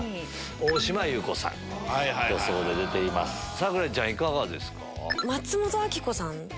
咲楽ちゃんいかがですか？